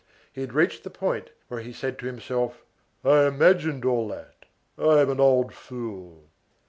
He had reached the point where he said to himself: "I imagined all that. I am an old fool."